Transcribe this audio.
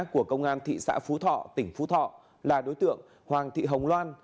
của công an thị xã phú thọ tỉnh phú thọ là đối tượng hoàng thị hồng loan